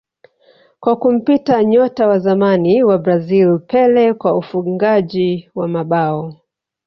kwa kumpita nyota wa zamani wa Brazil Pele kwa ufungaji wa mabao